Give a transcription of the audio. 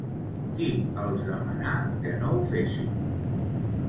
Qui els demanà que no ho fessin?